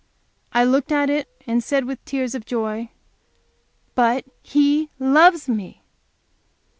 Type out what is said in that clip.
I looked at it, and said with tears of joy, "But He loves me!"